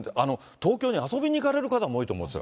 東京に遊びに行かれる方も多いと思うんですよ。